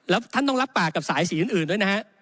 แล้วท่านต้องรับปากกับสายสีอื่นด้วยนะฮะ